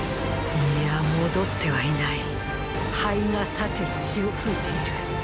いや戻ってはいない肺が裂け血を吹いている。